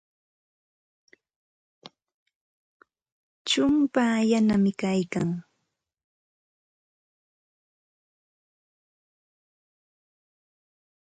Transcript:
Chumpaa yanami kaykan.